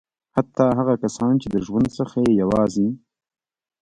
حتی هغه کسان چې د ژوند څخه یې یوازې.